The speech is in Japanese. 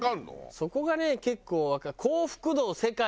そこがね結構。